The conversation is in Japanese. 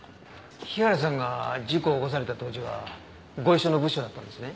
日原さんが事故を起こされた当時はご一緒の部署だったんですね？